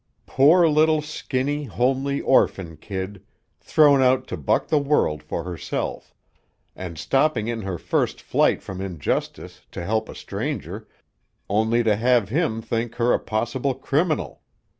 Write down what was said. Poor little skinny, homely, orphan kid, thrown out to buck the world for herself, and stopping in her first flight from injustice to help a stranger, only to have him think her a possible criminal!